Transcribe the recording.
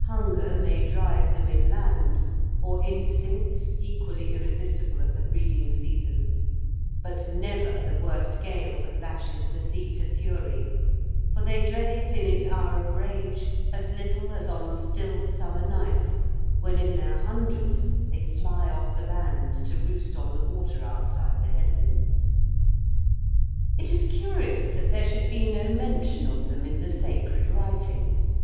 Hunger may drive them inland, or instincts equally irresistible at the breeding season, but never the worst gale that lashes the sea to fury, for they dread it in its hour of rage as little as on still summer nights when, in their hundreds, they fly off the land to roost on the water outside the headlands. It is curious that there should be no mention of them in the sacred writings.